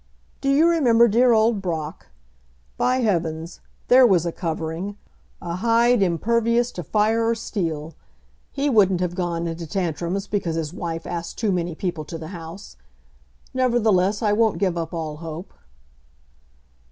Do you remember dear old Brock? By heavens; there was a covering, a hide impervious to fire or steel! He wouldn't have gone into tantrums because his wife asked too many people to the house. Nevertheless, I won't give up all hope."